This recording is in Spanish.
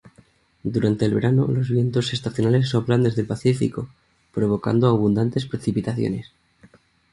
Durante el verano los vientos estacionales soplan desde el Pacífico, provocando abundantes precipitaciones.